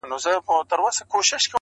• په لوی لاس به دروازه د رزق تړمه ,